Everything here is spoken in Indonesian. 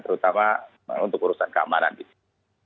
terutama untuk urusan keamanan di sini